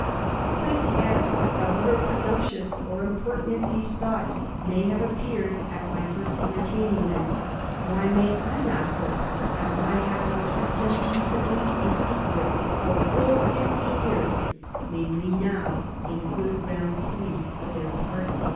He quaintly adds, * However presumptuous or impertinent these thoughts may Digiti zed by Google 1714 BOLINGBROKE. 33 have appeared at my first entertaining them, why may I not hope that my having kept them decently a secret for full fifty years may he now a good round plea for their pardon?